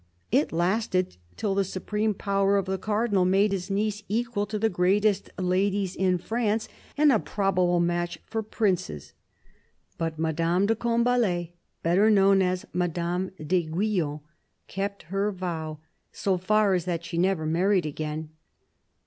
It lasted till the supreme power of the Cardinal made his niece equal to the greatest ladies in France and a probable match ifor princes. But Madame de Combalet — better known as Madame d'Aiguillon — kept her vow so far as that she never married again.